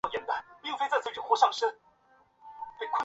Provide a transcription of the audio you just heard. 父亲厍狄峙。